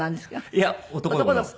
いや男の子です。